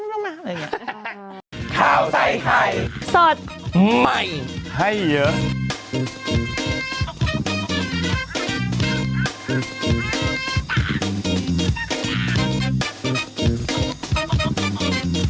เอาไปต้องมาอย่างนี้